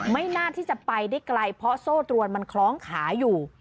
ไม่น่าที่จะไปได้ไกลเพราะโซ่ตรวนมันคล้องขาอยู่